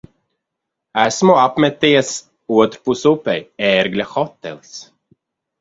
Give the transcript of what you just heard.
Esmu apmeties otrpus upei. "Ērgļa hotelis".